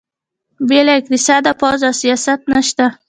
بې له اقتصاده پوځ او سیاست نشته.